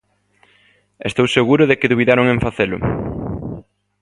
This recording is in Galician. Estou seguro de que dubidaron en facelo.